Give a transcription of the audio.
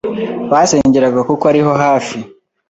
basengeraga kuko ariho hari hafi.